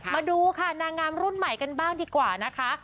มาดูค่ะนางงามรุ่นใหม่กันบ้างดีกว่านะคะ